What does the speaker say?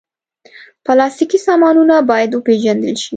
پلاستيکي سامانونه باید وپېژندل شي.